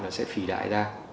nó sẽ phì đại ra